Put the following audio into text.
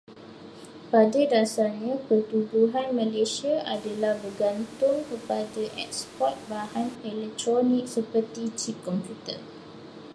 Pada dasarnya, pertumbuhan Malaysia adalah bergantung kepada eksport bahan elektronik seperti cip komputer.